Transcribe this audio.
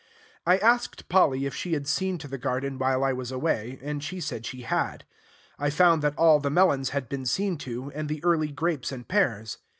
I asked Polly if she had seen to the garden while I was away, and she said she had. I found that all the melons had been seen to, and the early grapes and pears.